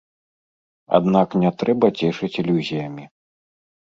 Аднак не трэба цешыць ілюзіямі.